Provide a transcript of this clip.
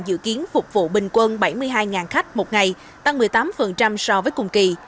dự kiến phục vụ bình quân bảy mươi hai khách một ngày tăng một mươi tám so với cùng kỳ